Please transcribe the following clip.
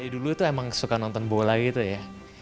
dulu tuh emang suka nonton bola gitu ya